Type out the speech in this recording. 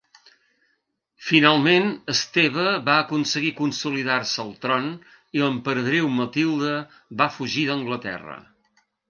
Finalment Esteve va aconseguir consolidar-se al tron i l'Emperadriu Matilde va fugir d'Anglaterra.